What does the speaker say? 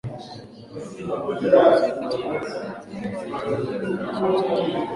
Muziki katika Afrika kuna wasanii ambao wanaitambulisha vyema nchi yetu ya Tanzania